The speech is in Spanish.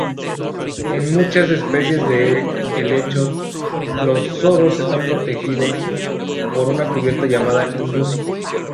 En muchas especies de helechos los soros están protegidos por una cubierta llamada indusio.